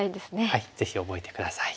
はいぜひ覚えて下さい。